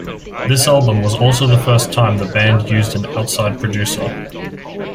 This album was also the first time the band used an outside producer.